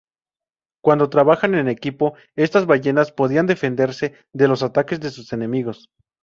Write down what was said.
Cuando trabajaban en equipo, estas ballenas podían defenderse de los ataques de sus enemigos.